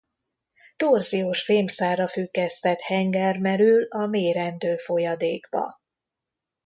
Torziós fémszálra függesztett henger merül a mérendő folyadékba.